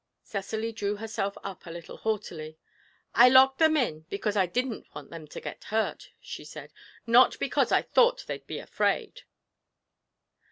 Cecily drew herself up a little haughtily. 'I locked them in because I didn't want them to get hurt,' she said, 'not because I thought they'd be afraid.'